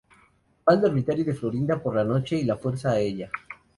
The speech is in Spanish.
Va al dormitorio de Florinda por la noche, y la fuerza a ella.